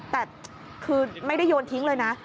แต่คือไม่ได้โยนทิ้งเลยนะ